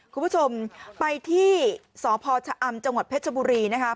คุณผู้ชมไปที่สพชะอำจังหวัดเพชรบุรีนะคะ